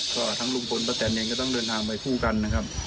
ก็ทั้งลุงพลป้าแตนเองก็ต้องเดินทางไปคู่กันนะครับ